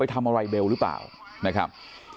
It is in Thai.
ทำอะไรเบลหรือเปล่านะครับ